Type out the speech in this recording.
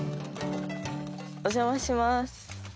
お邪魔します。